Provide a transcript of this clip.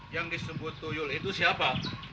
yang disebut tuyul itu siapa